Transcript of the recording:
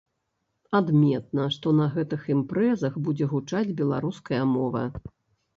Адметна, што на гэтых імпрэзах будзе гучаць беларуская мова.